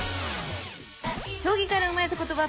将棋から生まれた言葉